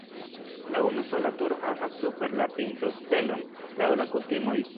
La unusola turo havas super la pinto stelon laŭ la kutimoj.